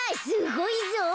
すごいぞ。